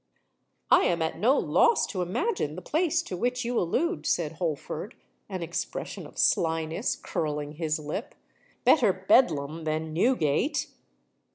"I am at no loss to imagine the place to which you allude," said Holford, an expression of slyness curling his lip. "Better Bedlam than Newgate."